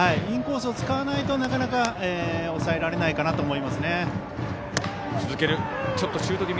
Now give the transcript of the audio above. インコースを使わないとなかなか抑えられないかなと。